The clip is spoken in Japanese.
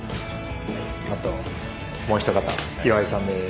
あともうひと方岩井さんです。